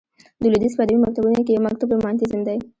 د لوېدیځ په ادبي مکتبونو کښي یو مکتب رومانتیزم دئ.